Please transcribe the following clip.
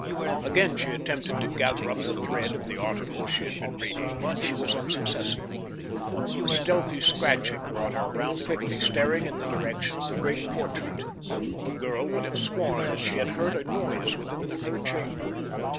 Again she attempted to gather up the thread of the article she had been reading, but she was unsuccessful. A stealthy scratching brought her round quickly, staring in the direction of the great portrait. The girl would have sworn that she had heard a noise within her chamber.